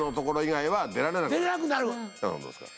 どうですか？